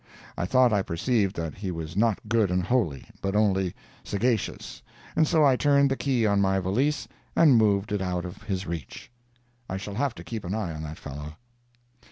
I thought I perceived that he was not good and holy, but only sagacious, and so I turned the key on my valise and moved it out of his reach. I shall have to keep an eye on that fellow.